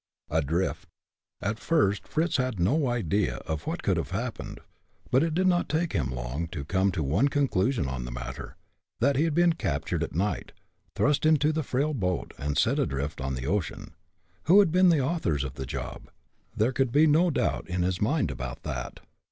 ADRIFT. At first Fritz had no idea of what could have happened, but it did not take him long to come to one conclusion on the matter, that he had been captured at night, thrust into the frail boat, and sent adrift on the ocean. Who had been the authors of the job? There could be no doubt in his mind about that.